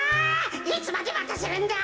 いつまでまたせるんだ！